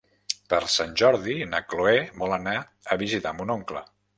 Per Sant Jordi na Cloè vol anar a visitar mon oncle.